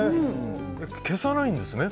消さないんですね。